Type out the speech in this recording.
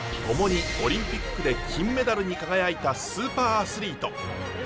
共にオリンピックで金メダルに輝いたスーパーアスリート。